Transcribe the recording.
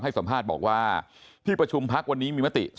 สัมภาษณ์บอกว่าที่ประชุมพักวันนี้มีมติ